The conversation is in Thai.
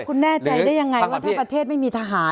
คุณแน่ใจได้ยังไงว่าถ้าประเทศไม่มีทหาร